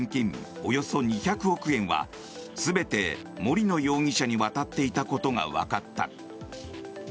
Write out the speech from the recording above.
およそ２００億円は全て森野容疑者に渡っていたことがわかった。